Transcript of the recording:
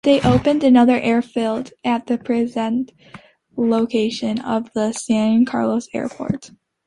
They opened another airfield at the present location of the San Carlos airport.